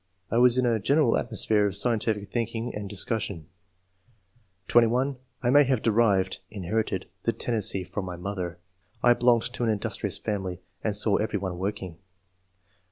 I was in a general atmosphere of scientific thinking and discussion. (21) I may have derived [? in herited] the tendency from my mother ; I belonged to an industrious family, and saw every one working.